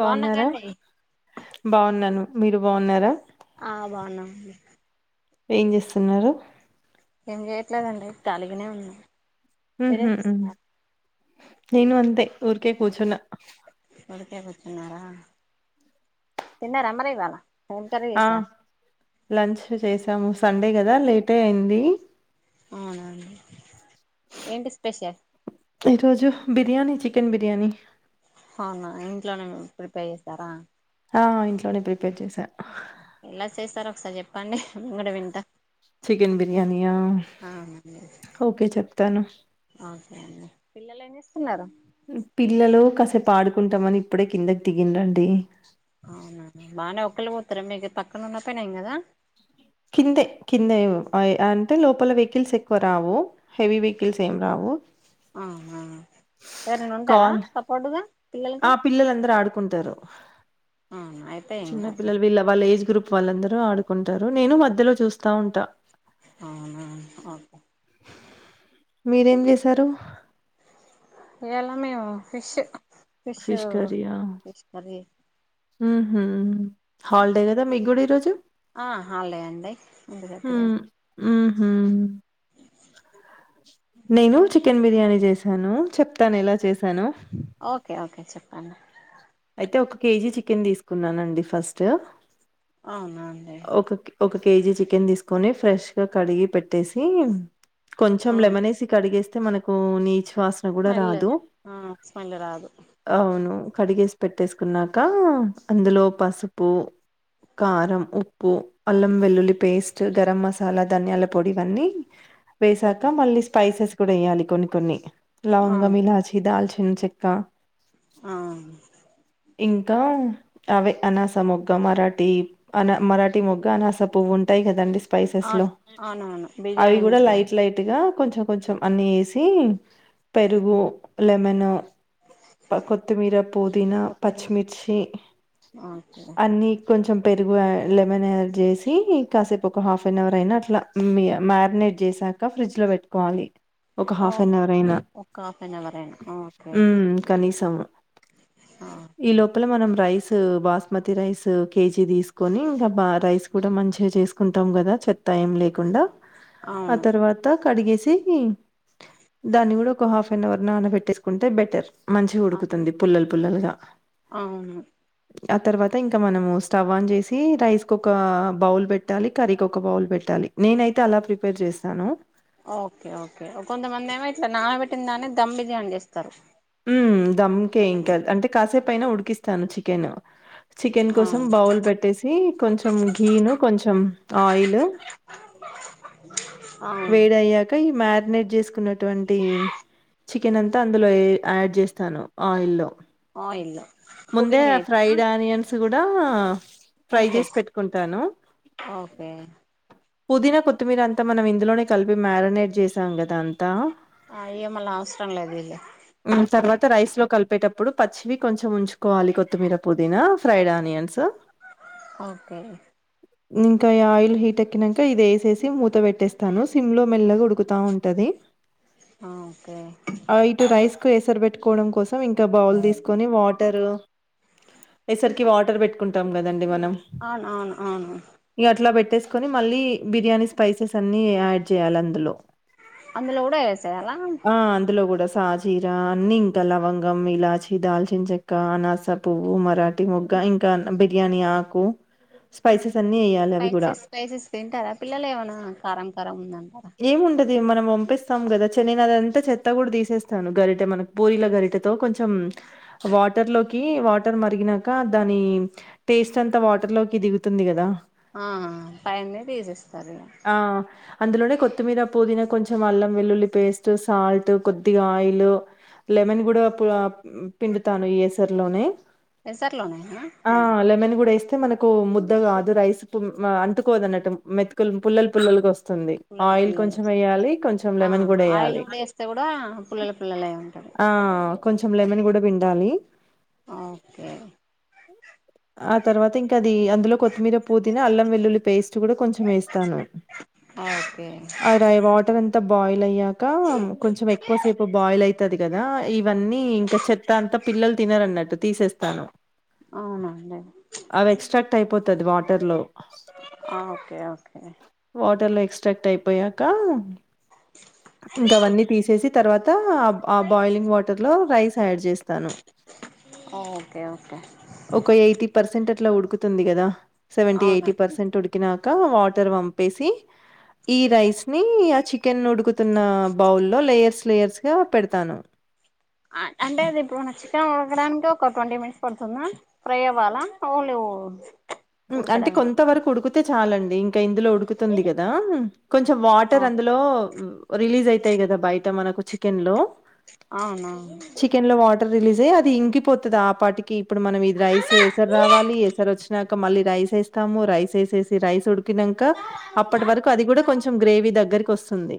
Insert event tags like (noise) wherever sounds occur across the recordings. బాగున్నారా బాగున్నాను మీరు బాగున్నారా ఆ బావున్నాం అండి ఏం చేస్తున్నారు ఏం చేయట్లేదండి ఖాళీగానే ఉన్నాం మీరేం చేస్తున్నారు నేను అంతే ఊర్కే కూర్చున్న ఉరికే కూర్చున్నారా తిన్నార మరి ఇక ఆ లంచ్ చేసాము సండే కదా లేటే అయింది అవునా అండి ఏంటి స్పెషల్ ఈరోజు బిర్యానీ చికెన్ బిర్యానీ అవునా ఇంట్లోనే ప్రిపేర్ చేస్తారా ఆ ఇంట్లోనే ప్రిపేర్ చేసా ఎలా చేసారొ ఒకసారి చెప్పండి నిను వింటా చికెన్ బిర్యానియా అవునండి ఓకే చెప్తాను ఓకే పిల్లలు ఏం చేస్తున్నారు పిల్లలు కాసేపు ఆడుకుంటామని ఇప్పుడే కిందకి దిగిండు అండి అ మీకు పక్కన ఉన్న పని అయినదా కిందే కిందే అంటే లోపల వెహికల్స్ ఎక్కువ రావు హెవీ వెహికల్స్ ఏం రావు ఆహ ఎవరినైనా ఉంటారా కాల్ సపోర్టుగా ఆ పిల్లలకి పిల్లలుందరు ఆడుకుంటారు అవునా అయితే ఏం చిన్న కాదులే పిల్లలు వీళ్ళ వాళ్ళ ఏజ్ గ్రూప్ వాళ్ళందరూ ఆడుకుంటారు నేను మధ్యలో చూస్తా ఉంటా అవునా ఓకే మీరేం చేశారు ఇయాలానేమో fish fish fish fish curry ఉహు హాల్డే కదా మీ కూడా ఈరోజు ఆ హల్డే అండి ఇంటి దగ్గరే మ్మ్ నిను కూడా చికెన్ బి బిర్యానీ చేశాను చెప్తాను ఎలా చేశానో ఓకే ఓకే చెప్పండి అయితే ఒక కేజీ చికెన్ తీసుకున్నానండి ఫస్ట్ అవునా అండి ఒక ఒక కేజీ చికెన్ తీసుకొని ఫ్రెష్ గా కడిగి పెట్టేసి కొంచెం ఉమ్ లెమనేసి కడిగేస్తే మనకు నీచ్ వాసన కూడా స్మెల్ రాదు ఆ స్మెల్ రాదు అవును కడిగేసి పెట్టేసుకున్నాక అందులో పసుపు కారం ఉప్పు పూ అల్లం వెల్లుల్లి పేస్ట్ గరం మసాలా ధనియాల పొడి ఇవన్నీ వేసాక మళ్ళీ స్పైసెస్ కూడా ఏయ్యాలి కొన్ని కొన్ని లవంగం అవును ఇలాచి దాల్చి ఇన్ చెక్క ఆ ఇంకా ఆవే అనాసా మొగ్గ, మరాఠీ అనా మరాఠ మొగ్గ, అనాస పువ్వుంటాయి కదాండి. స్పైసెస్ లో అవును అవునవును అవి బిర్యానీ కూడా మసాలా లైట్ లైట్ గా కొంచెం కొంచెం అన్ని వేసి పెరుగు, లెమన్ కొత్తిమీర, పుదీనా, పచ్చిమిర్చి ఓకే అన్ని కొంచెం పెరుగు యాడ్ లెమన్ యాడ్ చేసి కాసేపు ఒక హాఫ్ అన్ అవర్ అయినా అట్లా మ్యారినేట్ చేసాక ఫ్రిడ్జ్ లో పెట్టుకోవాలి. ఒక ఓ హాఫ్ అన్ అవర్ అయినా ఒక హాఫ్ అన్ అవర్ అయినా ఓకే హ్మ్ కనీసం. ఈ లోపల మనం రైస్ బాస్మతి రైస్ కేజీ తీసుకు కొని ఇంకా బా రైస్ కూడా మంచిగా చేసుకుంటాం కదా చెత్తా ఏం లేకుండా ఆ అవును తర్వాత కడిగేసి దాన్ని కూడా ఒక హాఫ్ అన్ అవర్ నానబెట్టేసుకుంటే బెటర్. మంచిగ ఉడుకుతుంది పుల్లలు పుల్లలుగా అవును ఆ తర్వాత ఇంక మనము స్టవ్ ఆన్ చేసి రైస్కి ఒక బౌల్ పెట్టాలి కర్రీకి ఒక బౌల్ పెట్టాలి నేనైతే అలా ప్రిపేర్ చేస్తాను. ఓకే. ఓకే. కొంతమంది ఏమో ఇట్లా నా పెబట్టిన దాన్ని దమ్ బిర్యాని చేస్తారు. మ్, దమ్ కే ఇంకా కొంతమంది అంటే కాసేపు అయినా ఉడికిస్తాను చికెన్. చికెన్ కోసం అవును బౌల్ పెట్టేసి కొంచెం గీ ను కొంచెం ఆయిల్ (unintelligible) వేడయ్యాక, ఈ మ్యారినేట్ చేసుకున్నటువంటి చికెన్ అంతా అందులో యాడ్ చేస్తాను ఆయిల్ లో. ఆయిల్ లో ముందే ఫ్రైడ్ ఆనియన్స్ కూడా ఫ్రై కుక్ చేసి చేస్తా పెట్టుకుంటాను ఓకే పుదీనా కొత్తిమీర అంతా మనం ఇందులోనే కలిపి మ్యారినేట్ చేసాం కదా. ఆ ఇయ్య మళ అవసరం లేదు లే రైస్ లో కలిపేటప్పుడు పచ్చివి కొంచెం ఉంచుకోవాలి కొత్తిమీర పుదీనా ఫ్రైడ్ ఆనియన్స్. ఓకే ఇంకా ఈ ఆయిల్ హీట్ ఎకినాక ఇది వేసేసి మూత పెట్టేస్తాను సిమ్ లో మెల్లగా ఉడుకుతా ఉంటది. ఓకే కే ఎసర్ పెట్టుకోవడం కోసం ఇంకా బౌల్ తీసుకొని వాటర్ టర్ ఎసరు వాటర్ పెట్టుకుంటాం కదం మనం అవును అవును అవును ఇగ అట్లా పెటు కట్టేసుకొని మళ్ళీ బిర్యానీ స్పైసెస్ అన్ని యాడ్ చేయాలి అందులో. అందులో కూడాలో వేయ ఆ అందులో కూడా సాజీరా అన్ని ఇంకా లవంగం, ఇలాచి, దాల్చిన చెక్క, అనాసా పువ్వు, మరాఠీ మొగ్గ. ఇంకా బిర్యానీ ఆకు, స్పైసెస్. అన్నీ ఎయ్యాలి అవి గూడా. స్పైసెస్ స్పైసెస్ తింటారా పిల్లలు ఏమైనా కారం కారం ఉందండి. ఏముండ మనం పంపిస్తాం కదా చెనిదంతా చెత్త కూడా తీసేస్తాను గరిటె మనం పూరిల గరిటతో కొంచెం వాటర్లో కి వాటర్ మరిగినంకా దాని టేస్ట్ అంతా వాటర్ లోకి దిగుతుందని. ఉంటుంది కదా? ఆ పైనే తీసిస్తారు. ఆ! అందులోనే కొత్తిమీర, పుదీనా, కొంచెం అల్లం వెల్లుల్లి పేస్ట్, సాల్ట్ కొద్దిగా ఆయిల్. లెమన్ కూడా పిండుతాను ఎసరిలోనే. ఎసర్లోనో నే నా? గూడా ఏస్తే మనకు ముద్ద కాదు రైస్ అంటుకోదు అన్నట్టు మెతుకులు పుల్లలు పుల్లలగా వస్తుం పుల్లలు ఆయిల్ పుల్లలు కొంచెం వేయాలి కొంచెం ఆ లెమన్ కుడా ఆయిల్ ఏయాలి కూడా వేస్తే కూడా పుల్లలు పుల్లలై ఉంటది ఆ కొంచెం లేమన్ కూడా పిండాలి ఆ ఓకే ఆ తర్వాత ఇంకా అది అందులో కొత్తిమీర పుదీనా అల్లం వెల్లుల్లి పేస్ట్ కూడా కొంచెం ఏస్తాను ఓకే అ వాటర్ అం త బాయిల్ అయ్యాక కొంచెం ఎక్కువ సేపు బాయిల్ అయి తది కదా ఇవన్నీ ఇంకా చెత్త అంతా పిల్లలు తినరన్నట్టు తీసేస్తాను అవునండి అవి ఎక్స్ట్రాక్ట్ అయిపోతాది వాటర్లో ఆ ఓకే ఓకే టర్లో ఎక్స్ట్రాక్ట్ అయిపోయాక ఇంకా అవన్నీ తీసేసి తర్వా త ఆ బాయిలింగ్ వాటర్లో రైస్ యాడ్ చేస్తాను ఓ ఓకే ఓకే ఎయిటి పర్సెంట్ అట్లా ఉడుకుతుంది కదా సెవేన్టి ఎయిటి అవునా పర్సెంట్ ఉడికినాక వా టర్ వంపేసి ఈ రైస్‌ని ఆ చికెన్ ఉడుకుతున్న బౌల్లో లేయర్స్ లేయర్స్ గా పెడతాను అంటే అది ఇప్పుడునా చికెన్ ఉడకడానికి ఒక ట్వంటీ మినిట్స్ పడుతుందా ఫ్రై అవ్వాలా ఓన్లీ ఓ అంటే కొంత వరకు ఉడుకితే చాలం డి ఇంకా ఇందులో ఉడుకుతుంది కదా కొంచెం వాటర్ అందులో రిలీజ్ అయి తాయ్ కదా బయట మనకు చికెన్ లో అవునా టర్ రిలీజ్ అయ్యి అది ఇంకిపోతాది ఆ పాటికి ఇప్పుడు మనం ఇది రైస్ ఏసారు రావాలి ఏసారోచ్చినా క మళ్ళీ రైస్ ఏస్తాము రైస్ ఏసేసి రైస్ ఉండ్ కినంక అప్పటి వరకు అది కూడా కొంచెం గ్రేవీ దగ్గరకి వస్తుంది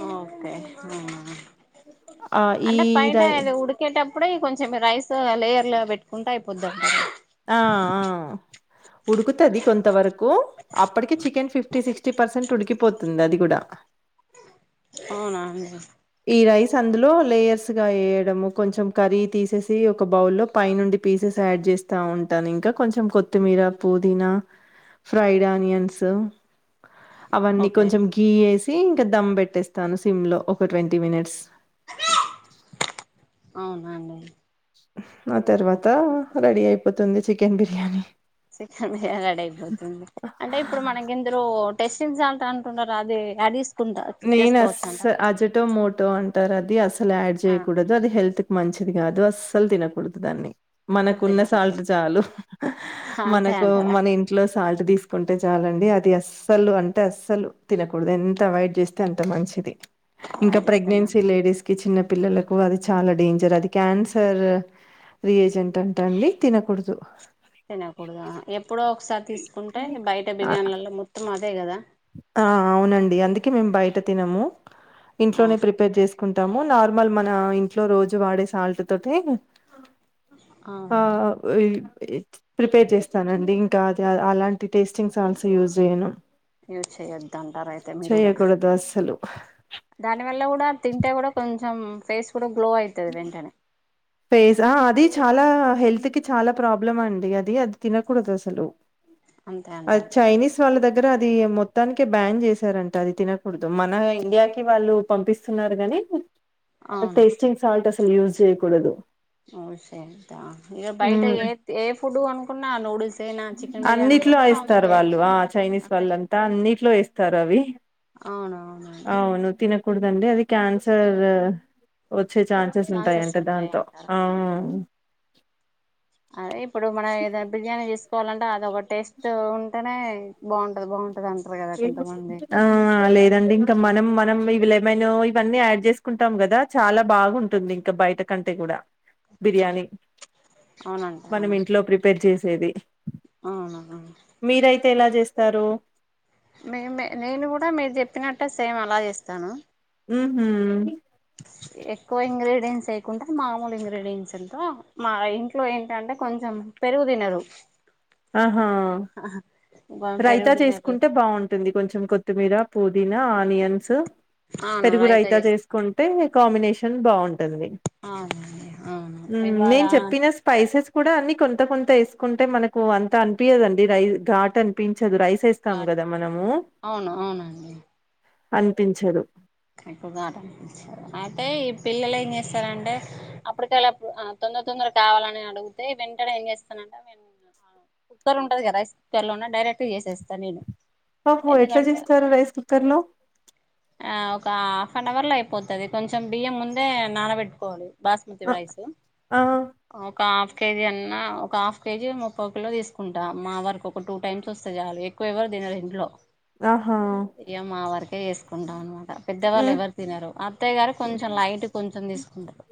ఆ ఓకే ఆ ఆ ఆహ్, ఈ అంటే పైనే రై అది ఉడికేట ప్పుడే కొంచెం రైస్ లేయర్లో పెట్టుకుంటే అయిపోద్దంటరా ఆ ఆ ఉడుకుతది కొంతవరకు అప్పటికి chicken fifty sixty percent ఉడికిపోతుంది అది కూడా అవునా అండి ఈ రైస్ అందులో లేయర్స్ గా ఏయడము కొంచెం కర్రీ తీసేసి ఒక బౌల్లో పై నుండి పీసేస్ యాడ్ చేస్తా ఉంటాను ఇంకా కొంచెం కొత్తిమీర పుదీనా ఫ్రైడ్ ఆనియన్స్ అవన్నీ ఓకే కొంచెం గీయేసి ఇంకా దమ్ పెట్టేస్తాను సిమ్ లో ఒక ట్వంటీ మినిట్స్ అవునాండి ఆ తర్వాత రెడీ అయిపోతుంది చికెన్ బిర్యానీ చికెన్ రెడ్ అయిపోతుంది అంటే ఇప్పుడు మనకిందులో టెస్టింగ్ సాల్ట్ అంటుండారు అదే యాడ్ చే నేను అస్స అజటో మోటో అంటారు అది అసలు యాడ్ ఆ చేయకూడదు అది హెల్త్ మంచిది కాదు అస్సలు తినకూడదు దాన్ని అస్సలు మనకున్న తినకూడదు సాల్ట్ చాలు అంతే మనకు అంటారా మన ఇంట్లో సాల్ట్ తీసు కుంటే చాలండి అది అస్సలు అంటే అస్సలు తినకూడదు ఎంత అవైడ్ చేస్తే అంత మంచిది ఇంకా అవాయిడ్ చేస్తున్నా ప్రెగ్నెన్సీ లేడీస్‌కి చిన్న పిల్లలకు అది చాలా డేంజర్ అది క్యాన్సర్ రి ఏజెంట్ అంట అండి తినకూడదు తినకూడదా ఎప్పుడో ఒకసారి తీసుకుంటే బయట ఆ బిర్యానులలో మొత్తం అదే కదా ఆ అవునండి అందుకే మేము బయట తినము ఇంట్లోనే ప్రిపేర్ చేసు కుంటాము నార్మల్ మన ఇంట్లో రోజు వాడే సాల్ట్ తోటే ఆ అవునా ప్రిపేర్ చేస్తానండి ఇంకా అది అలాంటి టేస్టింగ్ సాల్ట్స్ యూజ్ చేయను యూజ్ చేయొద్దు అంటారయితే మీరు కూడా చేయకూడదు అస్సలు దాని వల్ల కూడా తింటే కూడా కొంచెం ఫేస్ కూడా గ్లో అవుతుంది వెంటనే ఫేస్ ఆ అది చాలా హెల్త్ కి చాలా ప్రాబ్లం అండి అది అది తినకూడదు అసలు అంతే అద్ అంటారు చైనిస్ వాల దగ్ దగ్గర అది మొత్తానికే బ్యాన్ చేశారంట అది తినకూడదు మన ఇండియాకి వాళ్ళు పంపిస్తున్నారు గాని అవును టేస్టింగ్ సాల్ట్ అసలు యూస్ చేయకూడదు ఓ చేయొద్ ఇక బయట ఏ తె ఏ ఫుడ్ కొనుకున్న నూడిల్స్ అయినా చికెన్ బిర్యానీ అన్నిట్లో మొత్తం వేస్తారు అవే వాళ్ళు ఆ చైనీస్ వాళ్ళంతా అన్నిట్లో వేస్తారు అవి అవునవును అండి కూడదండి అది క్యాన్సర్ వచ్చే ఛాన్సెస్ ఉంటాయంట ఉంటాయి దాంతో అంటారు ఆ అదే ఇప్పుడు మనం ఏదైనా బిర్యానీ తీసుకోవాలంటే అది ఒక టేస్ట్ ఉంటేనే బాగుంటది బాగుంటది అం ఆ లేదండి ఇంకా మనం మనం ఇవి లెమైన్ ఇవన్నీ యాడ్ చేసుకుంటాం కదా చాలా బాగుంటుంది ఇంకా బయట కంటే కూడా బిర్యానీ అవునంటారా మనం ఇంట్లో ప్రిపేర్ చేసేది అవునా అ మీరైతే ఎలా చేస్తారు మే నేను కూడా మీరు చెప్పినట్టే సేమ్ అలా చేస్తాను ఊహు ఎక్కువ ఇంగ్రీడియంట్స్ వేయకుంటే మామూలు ఇంగ్రీడియంట్స్తో మా ఇంట్లో ఏంటంటే కొంచెం పెరుగు దినరు ఆహా పెరుగు రైతా తినరు చేసుకుంటే బాగుంటుంది కొంచెం కొత్తిమీర పుదీనా ఆనియన్స్ అవును పెరుగు రైతా రయితా చేస్తా చేసుకుంటే కాంబినేషన్ బాగుంటు అవునండి అవును ఊ ఇవాళ నేన్ చెప్పిన స్పైసస్ కూడా అన్ని కొంత కొంత వేసుకుంటే మనకు అంత అనిపియదండి రై ఘాట్ అనిపిం రైస్ వేస్తాం కదా మనము అవును అవునండి అనిపించదు ఎకు గాటనిపించదు అయితే ఈ పిల్లలు ఏం చేస్తారంటే అప్పటికెళ్ళప్పుడు ఆ తో తొందర తొందర కావాలని అడిగితే వెంటనే ఏం చేస్తానంట అవే (unintelligible) కుక్కర్ ఉంటది కదా రైస్ కుక్కర్ లోనె డైరెక్ట్ చేసెస్తా నేను ఓహో ఎట్లా ఎందుకంటే చేస్తారు రైస్ కుక్కర్ లో ఆ ఒక హాఫ్ అన్ అవర్ లో అయిపోతది కొంచెం బియ్యం ముందే నానబెట్టుకోవాలి బాస్మతి రైసు ఆ ఒక హాఫ్ కేజీ అన్నా ఒక హాఫ్ కేజీ ముప్పవుకిలో తీసుకుంట మా వరకు ఒక టూ టైమ్స్ వస్తే చాలు ఎక్కువ ఎవరు తినరు ఇంట్లో ఆహా ఇగ మా వరకే చేసుకుంటాం అనమాట పెద్దవాళ్ళు ఎవరు తినరు అత్తయ్య గారు కొంచెం లైట్ కొంచెం తీసుకుంటరు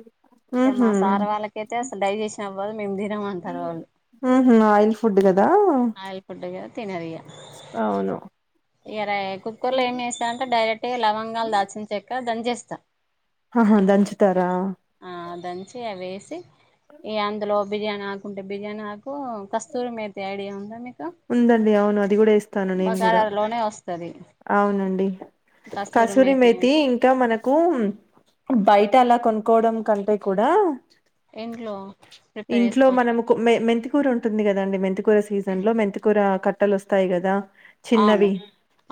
ఇగ మా ఉహు సారు వాళ్ళకయితే డైజెషన్ అవ్వదు మేము తినం అంటారు వాళ్ళు ఊ ఊహు ఆయిల్ ఫుడ్ కదా ఆయిల్ ఫుడ్ కదా అవును ఇగ రై కుకర్ లో ఏమి చేస్తాంటే డైరెక్ట్ గా లవంగాలు దాల్చిన చెక దంచి ఏస్తా ఆహా దంచుతారా చి అందులో బిర్యానీ ఆకుంటే బిర్యానీ ఆకు కస్తూరి మేతి ఐడియా ఉందా మీకు ఉందండి అవును అది కూడా ఏస్తాను నేన్ కూడా లోనే వస్తది అవునండి కసూరి మేతి ఇంకా మనకు బయట అలా కొనుకోవడం కంటే కూడా ఇంట్లో ప్రిపేర్ ఇంట్లో చేసుకోవచ్చు మనము కు అనుకు మె (unintelligible) మెంతికూర ఉంటుంది కదండి మెంతికూర సీజన్ లో మెంతికూర కట్టలు వస్తాయి కదా అవును చిన్నవి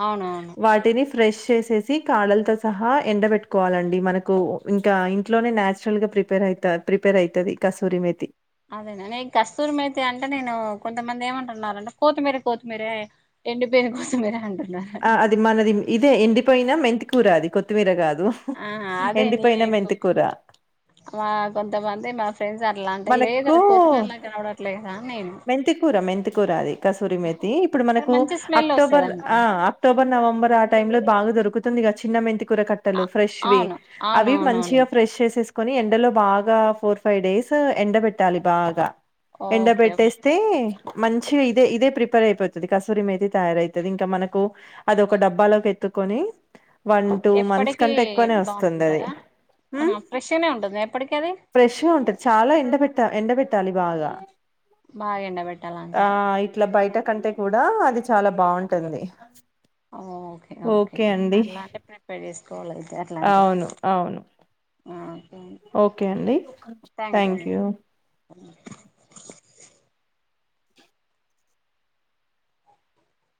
అవునవును వాటిని ఫ్రెష్ చేసేసి కాడలతో సహా ఎండ పెట్టుకోవాలండి మనకు ఇంకా ఇంట్లోనే నచురల్ గా ప్రిపేర్ అయి ప్రిపేర్ అయితది కసూరి మేతి అదేన న కస్తూరుమ అయితే అంటే నేను కొంతమంది ఏమంటున్నంటే కోత్తిమీర కోతిమీరే ఎండి పైన్ కొత్తిమిరా అంతారు ఆ అది మనది ఇదే ఎండిపోయినా మెంతికూర అది కొత్తిమీర కాదు ఆ అదే ఎండిపోయిన నీకు మెంతికూర మా కొంతమంది మా ఫ్రెండ్స్ అట్లా అంటే లేదు మనకు అది కొత్తిమీరలా కనబడట్లేదా అని నేను మెంతికూర మెంతికూర అది కసూరి మీద ఇప్పుడు కానీ మనకు మంచి స్మెల్ అక్టోబర్ ఆ వస్తదండి అక్టోబర్ నవంబర్ ఆ టై లో బాగా దొరుకుతుంది చిన్న మెంతికుర అ కట్టలు ఫ్రెష్ వి అవును అవి అవునవునవును మంచిగా ఫ్రెష కొని ఎండలో బాగా ఫోర్ ఫైవ్ డేస్ ఎండ పెట్టాలి బాగా ఎండ ఓకే ఓకే పెట్టేస్తే మంచి ఇదే ఇదే ప్రిపేర్ అయిపోతుంది కసూరి మీద తయారైతుంది ఇంకా మనకు అది ఒక డబ్బాలోకి కని వన్ టూ మంత్స్ ఎప్పటికి కంటే ఎక్కువనే బానే వస్తుంది అది ఉంటదా ఉమ్ ఆహా ఫ్రెష్గానే ఉంటుంది ఎప్పటికి అది ఫ్రెష్గా ఉంటాది చాలా అలా ఎండ పెట్ట ఎండ పెట్టాలి బాగా బాగా ఆ ఎండబెట్టాలంటారు ఇట్లా బయట కంటే కూడా అది చాలా బాగుంటది ఓకే ఓకే అలాంటి ప్రిపేర్ చేసుకోవాలి అయితే అట్లాంటివి అవును అవును ఆ ఓకే అండి థ్యాంక్ యూ అ